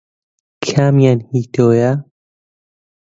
کامیان هی تۆیە؟